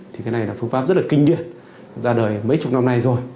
thì cái này là phương pháp rất là kinh điển ra đời mấy chục năm nay rồi